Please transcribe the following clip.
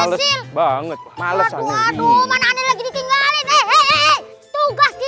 sesil banget males aduh aduh manaan lagi ditinggalin